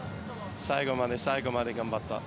最後まで最後まで頑張った。